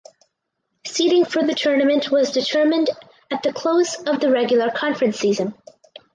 Seeding for the tournament was determined at the close of the regular conference season.